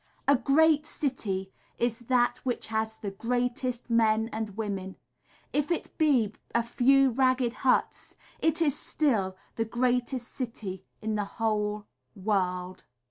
A great city is that which has the greatest men and women, If it be a few ragged huts it is still the greatest city in the whole world.